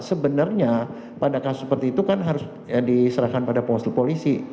sebenarnya pada kasus seperti itu kan harus diserahkan pada pengawaslu polisi